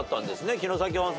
城崎温泉。